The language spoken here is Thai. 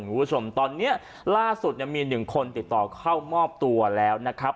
คุณผู้ชมตอนนี้ล่าสุดเนี่ยมีหนึ่งคนติดต่อเข้ามอบตัวแล้วนะครับ